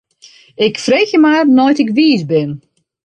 Ik freegje mar nei't ik wiis bin.